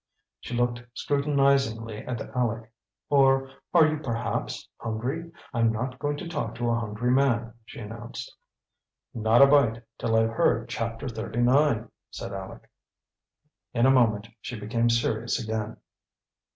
She looked scrutinizingly at Aleck. "Or are you, perhaps, hungry? I'm not going to talk to a hungry man," she announced. "Not a bite till I've heard chapter thirty nine!" said Aleck. In a moment she became serious again.